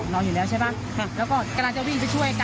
ก็เลยเอ้าช่วยเด็กกรช่วยเด็กกร